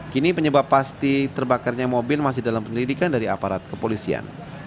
kini penyebab pasti terbakarnya mobil masih dalam penyelidikan dari aparat kepolisian